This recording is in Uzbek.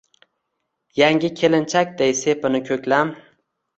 Yangi kelinchakday sepini ko’klam